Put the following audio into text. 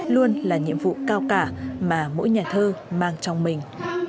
luôn là nhiệm vụ cao cả mà mỗi nhà thơ mang trong mình